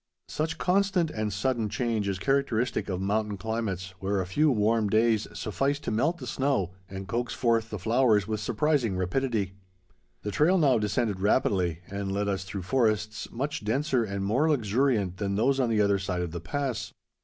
Such constant and sudden change is characteristic of mountain climates, where a few warm days suffice to melt the snow and coax forth the flowers with surprising rapidity. The trail now descended rapidly, and led us through forests much denser and more luxuriant than those on the other side of the pass.